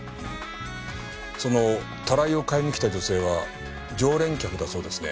そのたらいを買いに来た女性は常連客だそうですね。